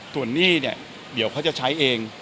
ส่วนหนี้เนี่ยเดี๋ยวเขาจะใช้เอง